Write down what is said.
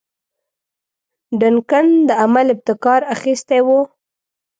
ډنکن د عمل ابتکار اخیستی وو.